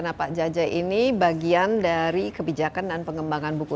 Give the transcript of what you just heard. nah pak jaja ini bagian dari kebijakan dan pengembangan buku